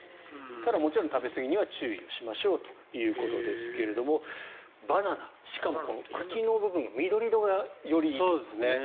ただ、もちろん食べすぎには注意しましょうということですがバナナ、しかも茎の部分が緑色がよりいいということですね。